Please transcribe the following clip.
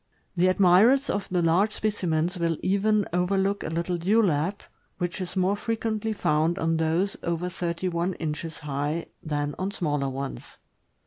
The admirers of the large specimens will even overlook a little dewlap, which is more frequently found on those over thirty one inches high than on smaller ones.